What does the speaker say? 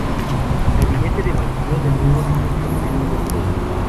El gabinete debatió de nuevo sin alcanzar un consenso.